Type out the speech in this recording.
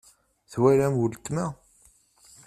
Twalam weltma?